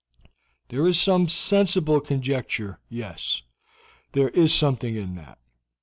"There is a sensible conjecture. Yes, there is something in that.